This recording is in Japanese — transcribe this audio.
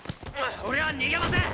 俺は逃げません！